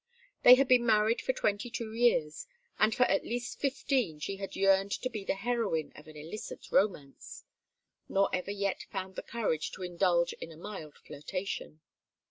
They had been married for twenty two years, and for at least fifteen she had yearned to be the heroine of an illicit romance; nor ever yet had found the courage to indulge in a mild flirtation.